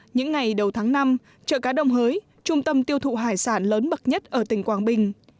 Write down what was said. những ngày đầu tháng năm chợ cá đồng hới trung tâm tiêu thụ hải sản lớn bậc nhất ở tỉnh quảng bình